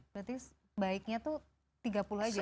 berarti baiknya tuh tiga puluh jam